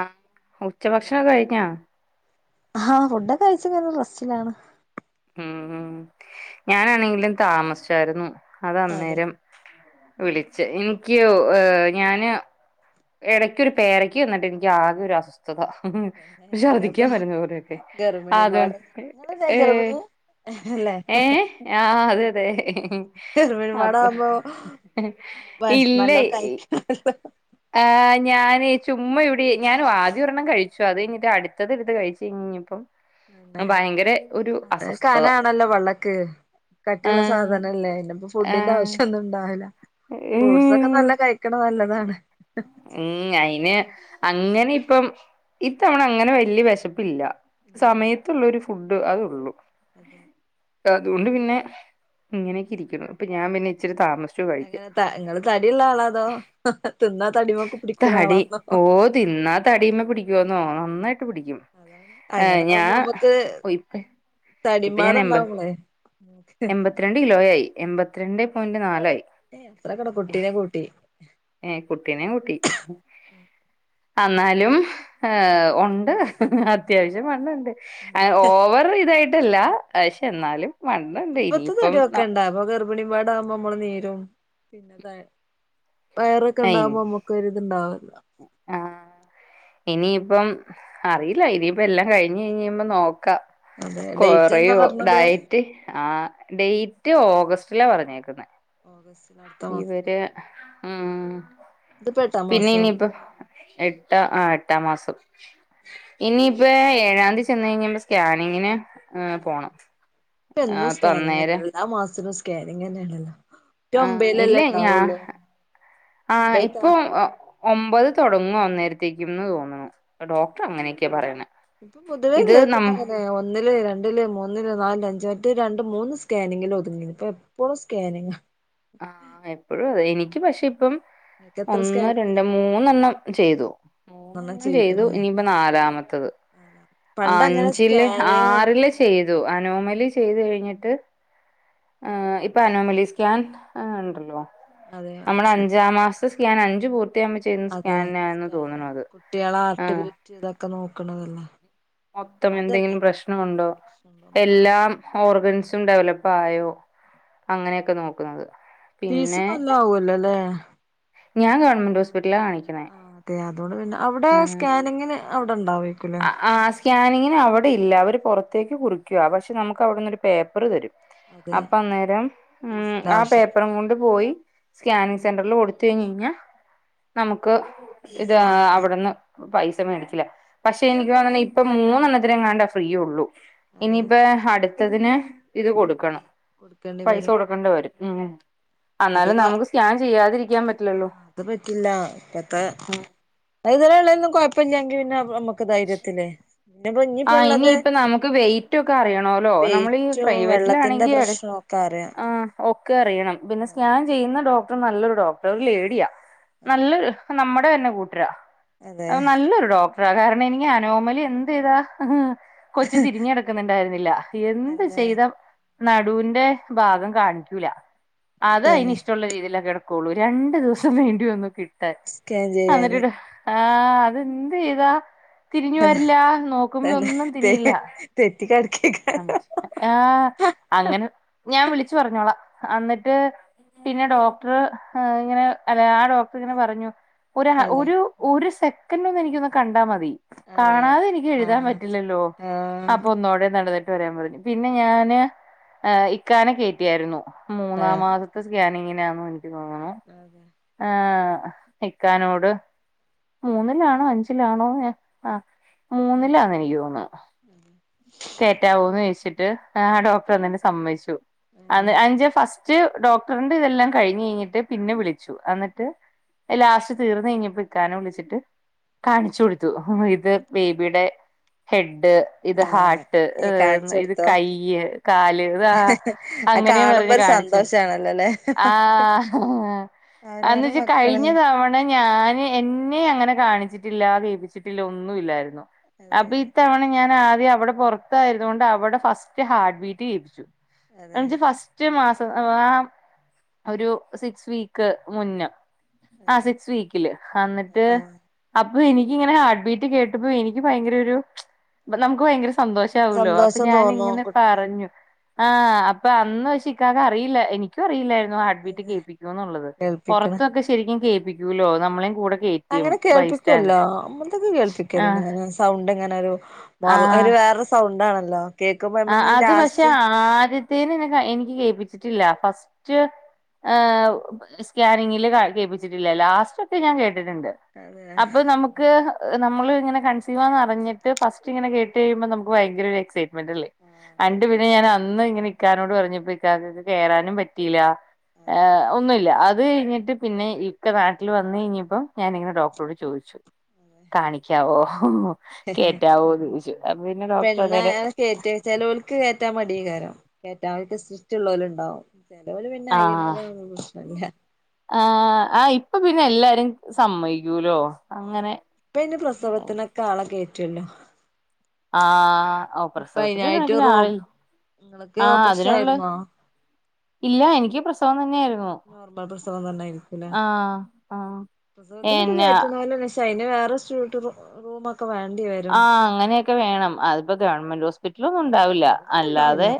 ആഹ് ഉച്ച ഭക്ഷണം കഴിഞ്ഞാ? ആഹ് ഫുഡൊക്കെ കയിച്ചു റെസ്റ്റിലാണ് ഉം മം ഞാനാണെങ്കിലും താമസിച്ചായിരുന്നു അത് അതെ അന്നേരം വിളിച് എനിക് ഏഹ് ഞാന് ഇടയ്ക്കൊഒരു പേരയ്ക്ക് വന്നിട്ട് എനിക്ക് ആകെ ഒരു അസ്വസ്ഥ ത് ത തന്നെ ഇപ്പൊ ഇപ്പ ഛർദ്ദിക്കാൻ വരുന്ന പോരെയൊക്കെ ഗർഭിണിയും ആദ്യം പാടെ നിങ്ങളല്ലേ ഏഹ് ഗർഭിണി അല്ലേ ഏ ആഹ് അതെ അതെ ഗർഭിണിപാടെ അപ്പ ആവുമ്പോ ഇല്ലേയ് അ ഏഹ് ഞാന് ചുമ്മാ ഇവിടെ ഞാനും ആദ്യം ഒരെണ്ണം കഴിച്ചു അത് കഴിഞ്ഞിട്ട് അടുത്തത് എടുത്ത് കഴിച്ചു കഴിഞ്ഞപ്പം ണ്ടെ ഭയങ്കര ഒരു അത്രേം അസ്വസ്ഥത കനആണല്ലോ പള്ളക്ക് ആ കട്ടിയുള്ള സാധനംല്ലേ അപ്പൊ ആ ഫുഡിന്റെ ആവശ്യം ഒന്നും ഉണ്ടാവില്ല ഫ്രൂട്ട്സ് ഒക്കെ നല്ല കഴിക്കണ നല്ലതാണ് ഉം അയിന് അങ്ങനെ ഇപ്പം ഇത്തവണ അങ്ങനെ വലിയ വിശപ്പില്ല ഇല്ല്യല്ലേ സമയത്തുള്ള ഒരു ഫുഡ് അതള്ളൂ അതെ അതുകൊണ്ട് പിന്നെ ഇങ്ങനെയൊക്കെ ഇരിക്കുന്നു ഇപ്പൊ ഞാൻ പിന്നെ ഇച്ചിരി താമസി അങ്ങനെ ത നിങ്ങള്ൾ തടിള്ളാണോ അതോ തിന്നാ തടിമെ തടി ഓ തിന്നാ തടീമേ പിടിക്കോന്നോ നന്നായിട്ട് പിടിക്കും അതാണ് ഏഹ് അങ്ങനെ ഞാ ആകുമ്പോ നമുക്ക് ഓ ഇപ്പ ഇപ്പൊ ഞാൻ എൻ തടിമ്പാടുണ്ടാവുമ്പളേ എൺമ്പത്തിരണ്ട് കിലോ ആയി എൺമ്പത്തിരണ്ട് പോയിന്റ് നാലആയി ഏ ത്ര കട കുട്ടിനെ കൂട്ടി ഏ കുട്ടിനെ കൂട്ടിക്ക് കൂട്ടി എന്നാലും എഹ് ഉണ്ട് അത്യാവശ്യം വണ്ണണ്ട് എഹ് ഓവർ ഇതായിട്ടല്ലക്ഷെ എന്നാലും ഇപ്പ വണ്ണണ്ട് ഇപ്പത്തെ ഇനിയിപ്പം തടിയൊക്കെ ഇണ്ടാ അപ്പൊ ഗർഭിണി പാട ആകുമ്പോ നമ്മള് നീരും പിന്നെ ത വയറൊക്കെ ഇനി ഇണ്ടാവകുമ്പോ നമ്മുക്ക ഒര് ഇത്ണ്ടാവില്ല ആഹ് ഇനിയിപ്പം അറിയില്ല ഇനിയിപ്പ എല്ലാം കഴിഞ്ഞ് കഴിഞ്ഞ്മ്പം നോക്കാം അതെ ഡേറ്റ് എന്നാ കൊറയോ പറഞ്ഞത് ഡയറ്റ് ആ ഡേറ്റ് ഓഗസ്റ്റിലാ പറഞ്ഞേക്കുന്നത് ഓഗസ്റ്റ്ലാ അടു ഇവര് മം ഇതിപ്പോ എട്ടാം പിന്നെ മാസം ഇനിയിപ്പോ എട്ടാ ആ എട്ടാം മാസം. ഇനിയിപ്പ ഏഴാംതി ചെന്നെഴിഞ്ഞാൽ സ്കാനിങ്ങിന് പോണം. ഇപ്പ ആ എന്നും അപ്പൊ സ്കാനിങ് അന്നേരം തന്നെയല്ലോ എല്ലാ മാസും സ്കാനിങ് തന്നെയാണല്ലോ? മറ്റേ ആഹ് ഒമ്പതിലല്ലേ ഇല്ലേ ഞാ ഉണ്ടാവുള്ളൂ ആ ഒമ്പതാ ഇപ്പൊ ഒമ്പത് തുടങ്ങും അന്നേരത്തേക്കുന്ന് തോന്നുന്നു ഡോക്ടർ അങ്ങനെയൊക്കെയ പറയണേ ഇപ്പൊ പൊതുവേ കേൾക്കന്നെ അങ്ങനെ ഒന്നില് രണ്ട് രണ്ട്ല് മൂന്നില് നാല്ല് അഞ്ച് മറ്റേ രണ്ട് മൂന്ന് സ്കാനിങ്ങന് ഒതുങ്ങിന്ന് ഇപ്പൊ എപ്പോളും സ്കാനിങ്ങാ. ആഹ് എപ്പോഴും അതെ എനിക്ക് പക്ഷെ ഇപ്പം നിനക്ക് എത്ര ഒന്ന് സ്കാൻ രണ്ട് മൂന്നെണ്ണം ചെയ്തു. മൂന്നെണ്ണം മൂന്നെണ്ണം ചെയ്തു ചെയ്തിട്ടില്ലേ ഇനിയിപ്പ നാലാമത്തത്. പണ്ട് അങ്ങനെ അഞ്ചില് ആറില് സ്കാനിങ് ചെയ്തു അനോമലി ചെയ്തു കഴിഞ്ഞിട്ട്. ഇപ്പൊ അനോമലി സ്കാൻണ്ടല്ലോ അതെ നമ്മുടെ അഞ്ചാം മാസ ലെ സ്കാൻ അഞ്ചു പൂർത്തിയാവുമ്പോ അതെ സ്കാൻ കുട്ട്യാളെ ആഹ് ആർട്ട്ബീറ്റ് ഇതൊക്കെ നോക്കണതല്ലേ? മൊത്തം അതല്ലേ എന്തെങ്കിലും ആഹ് പ്രശ്നമുണ്ടോ പ്രശ്നണ്ടോ എല്ലാം ഓർഗാൻസും ഡെവലപ്പ് ആയോ അങ്ങനെയൊക്കെ നോക്കുന്നത്. പീസ് പിന്നെ നല്ലെ ആവുല്ലാലെ. ഞാൻ ഗവണ്മെന്റ് ഹോസ്പിറ്റലാണ് കാണിക്ക്‌ ആ അതെ അതുകൊണ്ട് പിന്നെ അവിടെ സ്കാനിങ്ങിന് അവിടെണ്ടാവെയ്ക്കുല്ലേ. ആ സ്കാനിങ്ങിന് അവിടെ ഇല്ല അവര് പുറത്തേക്ക് കുറിക്കുവ പക്ഷെ നമുക്ക് അവിടെന്നൊരു പേപ്പറ് തരും. അതെ അപ്പം അന്നേരം ഉ ഫീസിന്റെ ആ ആവശ്യം പേപ്പറും കൊണ്ട് പോയി സ്കാനിങ് സെന്ററിൽ കൊടുത്ത് കഴിഞ്ഞെഞ്ഞാൽ നമുക്ക് ഇത് ഫീസ് വാങ്ങൂല അവിടുന്ന് പൈസ മേടിക്കില്ല പക്ഷേ എനിക്ക് തോന്നുന്നു ഇപ്പം മൂന്നെണ്ണത്തിനെങ്ങാണ്ട് ഫ്രീയൊള്ളൂ. അതെ ഇനിപ്പൊ അടുത്തതിന് ഇത് കൊടുക്കണം കൊടുക്കേണ്ടി പൈസ വരും കൊടുക്ക ണ്ട് വരും ഉം അത് എന്നാലും വ നമുക്ക് സ്കാൻ ചെയ്യാതിരിക്കാൻ പറ്റില്ലല്ലോ. ആഹ് അത് പറ്റില്ല ഇപ്പത്തെ ഉം അയ് ഇതെരെ ഉള്ളൊന്നും കൊഴപ്പില്ലങ്കിൽ പിന്നെ നമ്മക്ക് ഒക്കെ ധൈര്യത്തില്. പിന്നെ ആ ഞ്ഞിപ്പോ ഉള്ളത് ഇനിയിപ്പ നമുക്ക് വെയിറ്റ് ഒക്കെ അറിയണോല്ലോ നമ്മളീ വെയ്റ്റും വെള്ളത്തിന്റെ പ്രഷ്നും. ക്കെ അറിയാ ഓക്കെ അറിയണം പിന്നെ സ്കാൻ ചെയ്യുന്ന ഡോക്ടറ് നല്ലൊരു ഡോക്ടർ ഒരു ലേഡിയാ നല്ലൊ നമ്മുടെ തന്നെ കൂട്ടരാ അതെ അ നല്ലൊരു ഡോക്ടറാ കാരണം എനിക്ക് അനോമലി എന്ത് ചെയ്താ കൊച്ചു തിരിഞ്ഞിടെക്കുന്നുണ്ടായിരുന്നില്ല എന്ത് തന്നെ ചെയ്ത നടുവിന്റെ ഭാഗം കാണിക്കൂല അത് അതിന് ഇഷ്ടമുള്ള രീതിയിലാകെടക്കു ളളൂ രണ്ടു ദിവസം വേണ്ടി വന്നു കിട്ടാൻ സ്കാൻ അന്നിട്ട് ചെയ്യാന് എടാ ആഹ് അതെന്ത് ചെയ്താ തിരിഞ്ഞു വരില്ല നോ തന്നെ തെ തെറ്റി കെടക്കെയ് ആഹ് ആഹ് അങ്ങനെ ഞാൻ വിളിച്ചു പറഞ്ഞോളാ അന്ന്ട്ട് പിന്നെ ഡോക്ടർ ഇങ്ങനെ അല്ലെ ആ ഡോക്ടർ ഇങ്ങനെ പറഞ്ഞു ഒരേനെ അതെ ഒരു ഒരു സെക്കൻഡ് ഒന്ന് എനിക്കൊന്ന് കണ്ടാ മതി അതെ കാണാതെ എനിക്ക് എഴുതാൻ ആഹ് പറ്റില്ലല്ലോ ആഹ് അപ്പൊ ഒന്നോടെ നടന്നി ട്ട് വരാൻ പറഞ്ഞു പിന്നെ ഞാന് ഇക്കാനെ കേറ്റിയായിരുന്നു മൂന്നാമാസ ത്തെ സ്കാനിങ്ങിനാ എനിക്ക് തോന്നുന്നു. അതെ. ആഹ് ഇക്കാനോട് മൂന്നിലാണോ അഞ്ചിലാണോ ആ മൂന്നിലാ എനിക്ക് തോന്ന് ഉം കേറ്റവോന്ന് ചോദിച്ചിട്ട് ആ ഡോക്ടറ് അതിന് സമ്മതിച്ചു അതെ അത് അഞ്ച് ഫസ്- റ്റ് ഡോക്ടറിന്റെ ഇതെല്ലാം കഴിഞ്ഞ് കഴിഞ്ഞിട്ട് പിന്നെ വിളിച്ചു എന്നിട്ട് ലാസ്റ്റ് തീർന്ന് കഴിഞ്ഞപ്പം ഇക്കാനേ വിളിച്ചിട്ട് കാണിച്ചു കൊടുത്തു ഇത് ബേബിയുടെ ഹെഡ് ഇത് ഹാർ ആഹ് ട്ട് ഏഹ് ഇത് കാണിച്ചൊടുത്തോ കൈയ് കാല് ഇതാ അത് അങ്ങനെയ കാണുമ്പോ പറഞ്ഞു ഒരു കാണിച്ചു സന്തോഷാണല്ലോല്ലേ ആഹ് അന്ന് അവനാന് ഇജ് മക്കള് കയിഞ്ഞ തവണ ഞാന് എന്നെ അങ്ങനെ കാണിച്ചിട്ടില്ല ദീപിച്ചിട്ടില്ല ഒന്നുമില്ലായിരുന്നു അതെ അപ്പൊ ഇത്തവണ ഞാൻ ആദ്യം അവിടെ പൊറത്തായിരുന്നോണ്ട് അവിടെ ഫസ്റ്റ് ഹാർട്ട് ബീറ്റ് കേപ്പിച്ചു അതെ എന്നിട്ട് ഫസ് റ്റ മാസം ആ ഒരു സിക്സ് വീക്ക് മുന്നേ ആ അതെ സിക്സ് വീക്കില് ആഹാ എന്നിട്ട് ആഹ് അപ്പൊ എനിക്കിങ്ങനെ ഹാർട്ട് ബീറ്റ് കേട്ടപ്പ എനിക്ക് ഭയങ്കരരു നമുക്ക് ഭയങ്കര സന്തോഷ വൂലോ അപ്പ സന്തോഷം തോന്നും ഞാനിങ്ങനെ കുട്ടി പറഞ്ഞു ആഹ അപ്പ അന്ന് പക്ഷേ ഇക്കാക്ക് അറിയില്ല എനിക്കും അറിയില്ലായിരുന്നു ഹാർട്ട് ബീറ്റ് അതെ കേപ്പിക്കുന്നതുള്ളത് കേൾപ്പിക്കണം പൊറത്താക്കെ ശരിക്കും കേപ്പിക്കുവല്ലോ നമ്മളെ കൂടെ കേ അങ്ങനെ കേൾപ്പിക്കല്ലോ ഇവിടുത്തക്കെ ആഹ് കേൾപ്പിക്കല്ലണ്ടിങ്ങനെ സൗണ്ട് ഇങ്ങനൊരു മോറ അയിന് വേറെ ഒരു സൗണ്ടാണല്ലോ കേക്കുമ്പോ ആഹ നമ്മള് അത് പക്ഷെ ലാസ്റ്റ് ആദ്യത്തേനെ എനിക്ക് കേപ്പിച്ചിട്ടില്ല ഫസ്റ്റ് ആഹ് സ്കാനിങ്ങില് കേപ്പിച്ചിട്ടില്ല ലാസ്റ്റ്ക്കെ ഞാൻ കേട്ടിട്ടുണ്ട് അതെ ആഹ് അപ്പൊ നമു ക്ക് നമ്മളിങ്ങനെ കൺസീവാന്നറിഞ്ഞിട്ട് ഫസ്റ്റിങ്ങനെ കേട്ട് കഴിയമ്പ നമക്ക് ഭയങ്കര ഒരു എക്സൈറ്റ്മെന്റല്ലേ അതെ അണ്ട് പിന്നെ ഞാൻ അന്ന് ഇങ്ങനെ ഇക്കാനോട് പറഞ്ഞപ്പോ ഇക്ക പറഞ്ഞ് കേറാനും പറ്റിയില്ല ഏ അതെ ഒന്നുമില്ല അത് കയിഞ്ഞിട്ട് പിന്നെ ഇക്ക നാട്ടിൽ വന്നു കഴിഞ്ഞപ്പം ഞാനിങ്ങനെ ഡോക്ടറോട് ചോദിച്ചു കാണിക്കാവോ കേറ്റാവോന്ന് ചോദിച്ചു അപ്പപ്പിന്നെ ഡോക്ടർ പെണ്ണെ അന്നേരം കേറ്റ ചെലവർക്ക് കേറ്റാൻ മടിയിങ്ങാനോ [unintelligible] ചെലവര് പിന്നെ [unintelligible] പ്രശ്നല്ല ആഹ ആ ഇപ്പപ്പിന്നെ എല്ലാരും സമ്മയിക്കൂലോ അങ്ങനെ [inaudible] ഇപ്പ അയ്ന് പ്രസവത്തിനൊക്കെ ആളെ കേറ്റുവല്ലോ ആഹാ ഓ ഇപ്പ പ്രസവത്തിനൊര് അയ്നായിട്ട് കണക്കിന് റൂം ആളിൽ ഇങ്ങൾക്ക് ആഹ ഓപ്പറേഷൻ അതിനുള്ള ആയിരുന്നോ ഇല്ല എനിക്ക് പ്രസവം തന്നെയായിരുന്നു നോർമൽ പ്രസവം തന്നെയായിരിക്കുവല്ലേ ആഹ് ആഹ് പ്രസവത്തിന് എന്നാ [unintelligible] [unintelligible] റൂമ് വേണ്ടി വരും ആഹ അങ്ങനക്കെ വേണം അതിപ്പ ഗവൺമെൻറ് ഹോസ് [unintelligible] ഒന്നുണ്ടാവൂല്ല അല്ലാതെ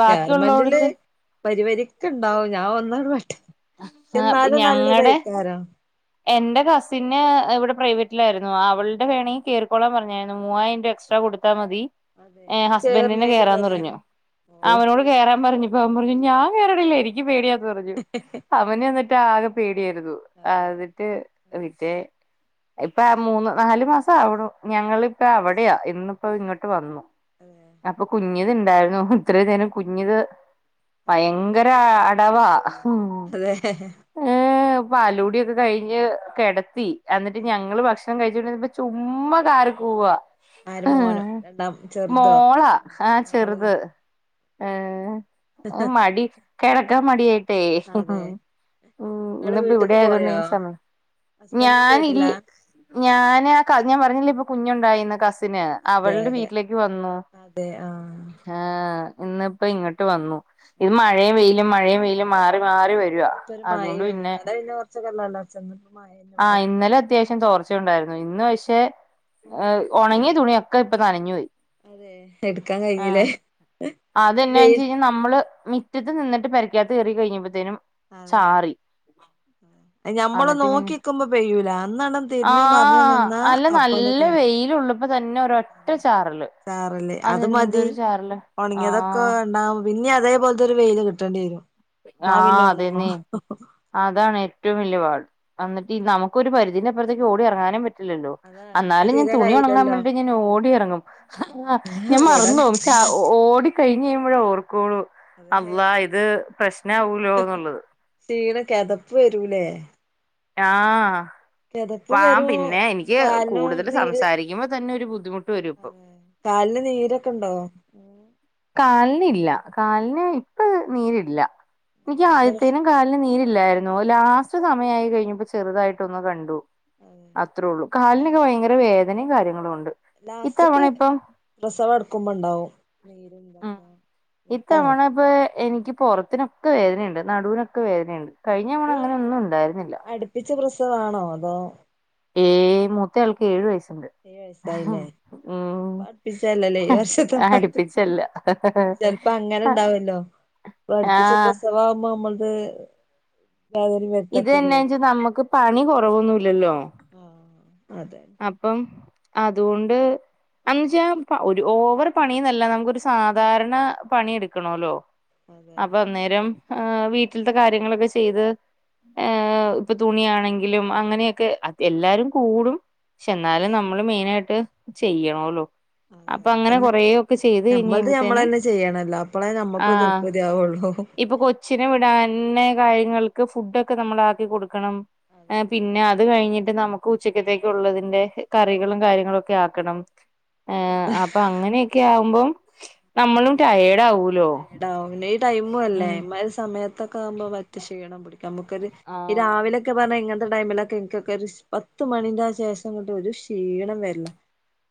ബാക്കിയുള്ളോടുത്ത് പരിവരിക്കയിണ്ടാവും ഞാനൊന്നാ വെട്ടി എന്നാലും ഞങ്ങടെ നല്ലതായിക്കാരം എന്റെ കസിന് ഇവിടെ പ്രൈവറ്റിലായിരുന്നു അവളുടെ വേണങ്കി കേറിക്കോളാൻ പറഞ്ഞായിരുന്നു മൂവായിരം രൂപ എക്സ്ട്രാ കൊടു ത്താ മതി അതെ ഹസ്ബൻറിന് കേറ്ണേന്ല്ലേ കേറാന്ന് പറഞ്ഞു ഓ അവനോട് കേറാൻ പറഞ്ഞപ്പോൾ അവൻ പറഞ്ഞു ഞാൻ കേറണില്ല എനിക്ക് പേടിയാന്ന് പറഞ്ഞു അവനെന്നിട്ട് ആകെ പേടിയായിരുന്നു അതെ ഏ ആഹ് പിന്നെ ഇപ്പ മൂന്ന് നാലു മാസാവണു ഞങ്ങളിപ്പ അവിടെയാ ഇന്നിപ്പോ ഇങ്ങോട്ട് വന്നു അതെ അപ്പൊ കുഞ്ഞിത് ഇണ്ടായിരുന്നു ഇത്ര നേരം കുഞ്ഞത് അതെ ഭയങ്കര അടവാ അതെ ഏ പാലൂടിയൊക്കെ കയിഞ്ഞ് കെടത്തി എന്നിട്ട് ഞങ്ങള് ഭക്ഷ ണം കഴിച്ചോണ്ടിരുന്നപ്പം ചുമ്മാ കാറി കൂവുവാ ആര് മോനോ രണ്ടാം ചെറുതോ മോളാ മോളല്ലേ ആഹ് മ് മടി കെടക്കാൻ മടിയെ [inaudible] അതെ ഉം ഇങ്ങള് ഇന്നിപ്പോ ഇവിടെ വീട്ട്ക്ക് പോയോ ആയതൊണ്ട് ഹസ്ബന്റിന്റെ ഞാനിൽ വീട്ടിലാ ഞാൻ ഞാൻ പറഞ്ഞില്ലെ ഇപ്പൊ കുഞ്ഞുണ്ടായിന്ന് കസ് സിന് അതെ അവൾടെ അതെ വീട്ടിലേക്ക് വന്നു അതെ ആഹ് ആഹ് ഇന്നിപ്പോ ഇങ്ങോട്ട് വന്നു ഈ മഴയും വെയിലും മഴയും വെയിലും മാറി- മാറി ആഹ്. മാറി വരുവാ അതോണ്ട് പിന്നെ- ഉച്ചക്ക്‌ എന്തോ ഉണ്ടാക്കി ചെന്നപ്പോ മയ ആഹ് ഇന്നലെ- ശേഷം തൊർച്ച ഉണ്ടായിരുന്നു ഇന്ന് പക്ഷേ ഒണങ്ങിയ തുണിയൊക്കെ ഇപ്പൊ നനഞ്ഞു പൊയി അതെ എടുക്കാൻ ആഹ് കഴിഞ്ഞില്ലേ അതെന്നാവെച്ച് വെയിൽ കഴിഞ്ഞാൽ നമ്മള് മി മുറ്റത്ത് നിന്നിട്ട് പെരയ്ക്കാത്ത് കയറി കഴിഞ്ഞപ്പത്തേനും- ഞമ്മള് അന്നിട്ട് പിന്നെ നോക്കിക്കുമ്പോ പെയ്യൂല അന്നാണ്- ആഹ് അല്ല നല്ല പെയ്യും വെയിലുള്ളപ്പോത്തന്നെ- ചാറല് അത് മതി അതെന്തൊരു ചാറല് ഒണങ്ങിയതൊക്കെ ആഹ് രണ്ടാ പിന്നെ അതേപോലത്തൊരു വെയില് കിട്ടേണ്ടി വരും എന്നാ പിന്നെ ആഹ് ഒണങ്ങോ അതന്നെ അതാണ് ഏറ്റവും വല്യപാട് എന്നിട്ട് നമുക്ക് ഒരു പരിധീന്റെ അപ്പറത്തേക്ക് ഓടി എറങ്ങാനു പറ്റു- ല്ലല്ലോ അതാ ഇങ്ങക്ക് എന്നാലും ഞാൻ തീരെ തുണി ഒണങ്ങാൻ കയ്യൂലല്ലോ വേണ്ടിട്ട് ഞാൻ ഓടി എറങ്ങും ആ ഉം ഞാൻ ഓടാൻ മറന്നോവും ചാ ഓടി- കഴിഞ്ഞെഴിയുമ്പോഴാ ഓർക്കുള്ളൂ അതെ അള്ളാ ഇത് പ്രശ്നാവൂല്ലോന്നുള്ളത് ക്ഷീണം കെതപ്പ് വരൂലേ ആഹ് കെതപ്പും വാ വരും പിന്നെ എനിക്ക് കാലിനും കൂടുതൽ നീര് സംസാരിക്കുമ്പോ തന്നെ ഒരു ബുദ്ധി ട്ട് വരുപ്പം ഇപ്പം കാലിന് നീരൊക്കെ ഇണ്ടോ? കാലിനില്ല കാലിന് ഇപ്പ നീരില്ല എനിക്ക് നീരിന്റെ ആദ്യത്തേന്- പ്രശ്നം കാലിന് നീരില്ലായിരുന്നു ലാസ്റ്റ് സമയായി കഴിഞ്ഞപ്പോ ചെറുതായിട്ടൊന്ന് കണ്ടു അതെ അത്രള്ളൂ കാലിനൊക്കെ ആ ഭയങ്കര വേദനയും കാര്യങ്ങളും ഒണ്ട് ലാസ്റ്റ്ക്ക് പ്രസവം അടുക്കുമ്പോ ഒണ്ടാവും ഉം ഇത്തവണ ഇപ്പോ എനിക്ക് പൊറത്തിനൊക്കെ വേദനയുണ്ട് നടുവിനൊക്കെ വേദനയുണ്ട് കഴിഞ്ഞ തവണ ഇപ്പൊ അങ്ങനൊന്നും ഇണ്ടായിരുന്നില്ല അടുപ്പിച്ച പ്രസവാണോ അതോ ഉം മൂത്തയാൾക്ക് ഏഴു വയസ്സുണ്ട് ഏഴ് വയസ്സായില്ലേ ഉം അപ്പടുപ്പിച്ചല്ലല്ലേ ഏഴ് വർഷത്തെ- അടുപ്പിച്ചല്ല ചെലപ്പോ അങ്ങനെയുണ്ടാവല്ലോ അടുപ്പിച്ച ആഹ് പ്രസവാവുമ്പോ നമ്മക്ക്‌ വേദന വെരും ഇത് എന്നാന്നുച്ചാ നമ്മുക്ക് പണി കൊറവൊന്നുല്ലല്ലോ ആഹ് അതെ അപ്പം അതുകൊണ്ട്- എന്ന് വെച്ചാൽ ഒരു ഓവർ പണിയെന്നല്ല നമുക്കൊരു സാധാരണ പണി എടുക്കണെല്ലോ അതെ അപ്പൊ അന്നേരം ആ വീട്ടിലത്തെ കാര്യങ്ങളൊക്കെ ചെയ്ത് ഏഹ് ഇപ്പൊ തുണിയാണെങ്കിലും അങ്ങനെയൊക്കെ എല്ലാരും കൂടും പക്ഷെ അതെ എന്നാലും നമ്മള് മെയിനായിട്ട് ചെയ്യണെല്ലോ അതെ അപ്പൊ അതെ അങ്ങനെ തന്നെ കൊറേയൊക്കെ ചെയ്ത് ഞമ്മൾത് കഴിഞ്ഞ്ഞുമ്പോത്തേനും ഞമ്മളന്നെ ചെയ്യണല്ലോ അപ്പളേ ഞമ്മക്ക് ആഹ്- തൃർപ്പതി ആവുള്ളൂ ഇപ്പൊ കൊച്ചിനെ വിടാന്ന് തന്നെ കാര്യങ്ങൾക്ക് ഫുഡൊക്കെ നമ്മളാക്കി കൊടുക്കണം അതെ ഏഹ് പിന്നെ അത് കഴിഞ്ഞിട്ട് നമുക്കും ഉച്ചക്കത്തേക്കുള്ളതിന്റെ- കറികളും കാര്യങ്ങളൊക്കെ ആക്കണം അതെ അപ്പൊ അങ്ങനെയെ - ക്കെവുമ്പോ നമ്മളും ടയെടാവും ടാവും പിന്നെ ഈ ടൈമും അല്ലേ ഇമ്മാരി സമയത്തൊക്കാകുമ്പോ മറ്റ് ക്ഷീണം പിടിക്കും നമുക്കൊരു- ഈ ആഹ് രാവിലെ- ക്കെ പറഞ്ഞെഴിഞ്ഞാ ഇങ്ങനത്തെ ടൈമിലൊക്കെ എനിക്കൊക്കെ ഒരു പത്ത് മണിന്റെ ആ ശേഷം ഇങ്ങട്ട് ഒരു ക്ഷീണം വരെലാ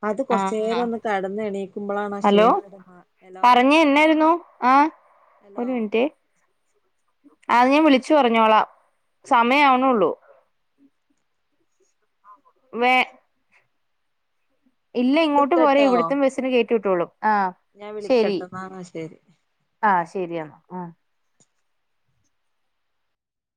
അത് കൊറച്ചു നേരം ആഹ് ഒന്ന് കെടന്ന് എണീക്കുമ്പളാണ് ആ ഹലോ ക്ഷീണം അങ്ങട്ട് മാറുന്നേ ഹലോ പറഞ്ഞേ എന്നായിരുന്നു ആഹ് ഒരു ഹലോ മിനിട്ടെ അത് ഞാൻ വിളിച്ചു പറഞ്ഞോളാം, സമയം ആവുണേ ഉള്ളൂ. വേ ഇല്ല ഞാൻ ഇങ്ങോട്ട് പോരെ വിളിക്കട്ടോ ഇവിടുത്തെ ബസ്സിന് കേറ്റി വിട്ടോളും ആഹ് ഞാൻ ശരി വിളിക്കാട്ടോ [unintelligible] ശരി ആഹ് ശരിയെന്നാ ആഹ്